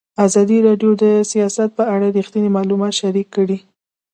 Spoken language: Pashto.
ازادي راډیو د سیاست په اړه رښتیني معلومات شریک کړي.